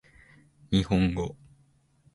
日本語